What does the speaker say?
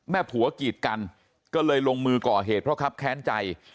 ผัวกีดกันก็เลยลงมือก่อเหตุเพราะครับแค้นใจ